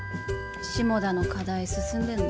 下田の課題進んでんの？